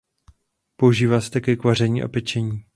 Používá se také k vaření a pečení.